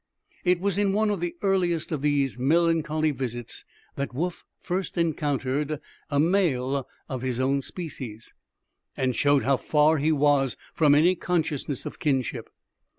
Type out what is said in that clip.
It was in one of the earliest of these melancholy visits that Woof first encountered a male of his own species, and showed how far he was from any consciousness of kinship.